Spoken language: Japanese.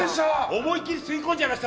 思いっきり吸い込んじゃいました。